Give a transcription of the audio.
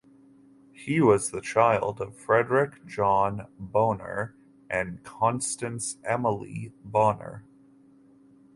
He was the child of Frederick John Bonner and Constance Emily Bonner.